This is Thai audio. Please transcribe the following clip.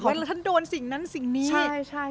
เวลาท่านโดนสิ่งนั้นสิ่งนี้